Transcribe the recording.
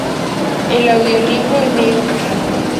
El audiolibro es leído por el autor.